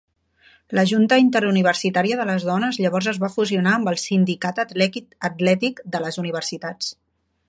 La Junta interuniversitària de les dones llavors es va fusionar amb el Sindicat Atlètic de les Universitats.